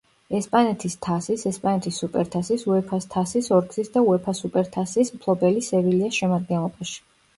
ესპანეთის თასის, ესპანეთის სუპერთასის, უეფა-ს თასის ორგზის და უეფა-ს სუპერთასის მფლობელი „სევილიას“ შემადგენლობაში.